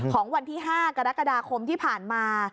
ของวันที่๕กรกฎาคมที่ผ่านมา